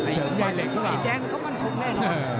เฉิงได้เหล็กเหรอ